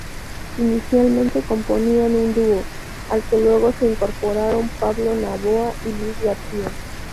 Inicialmente componían un dúo, al que luego se incorporaron Pablo Novoa y Luis García.